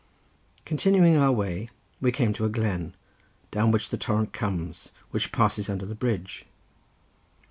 Continuing our way we came to a glen, down which the torrent comes which passes under the bridge.